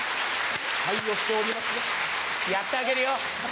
やってあげるよ。